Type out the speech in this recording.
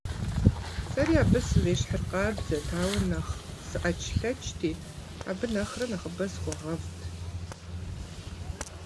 Сэри абы срещхьыркъабзэт, ауэ нэхъ сыӀэчлъэчти, абы нэхърэ нэхъыбэ схуэгъэвырт.